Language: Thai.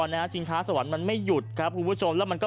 น่ะฮะจริงชะสะวันมันไม่หยุดครับคุณผู้ชมแล้วมันก็